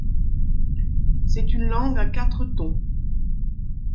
C'est une langue à quatre tons.